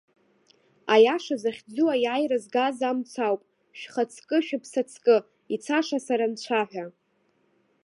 Аиаша захьӡу аиааира згаз амц ауп шәхаҵкышәыԥсаҵкы ицаша сара анцәа ҳәа!